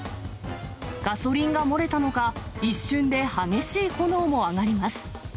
ガソリンが漏れたのか、一瞬で激しい炎も上がります。